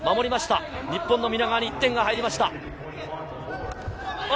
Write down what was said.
日本の皆川に１点が入りました。